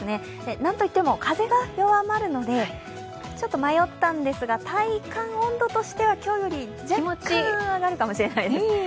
なんといっても風が弱まりますのでちょっと迷ったんですが体感温度としては、今日より若干上がるかもしれないです。